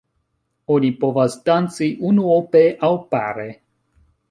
Oni povas danci unuope aŭ pare.